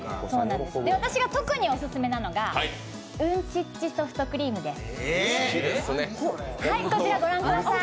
私が特にオススメなのがうんちっちソフトクリームです。